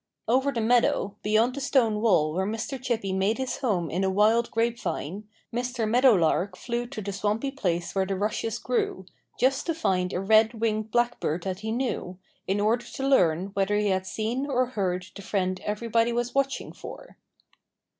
Over the meadow, beyond the stone wall where Mr. Chippy made his home in a wild grapevine, Mr. Meadowlark flew to the swampy place where the rushes grew, just to find a Red winged Blackbird that he knew, in order to learn whether he had seen or heard the friend everybody was watching for.